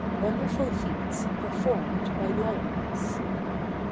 WONDERFUL FEATS PERFORMED BY LIONS.